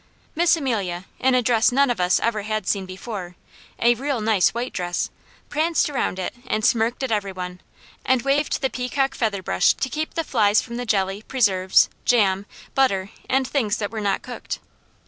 Miss Amelia, in a dress none of us ever had seen before, a real nice white dress, pranced around it and smirked at every one, and waved the peacock feather brush to keep the flies from the jelly, preserves, jam, butter, and things that were not cooked.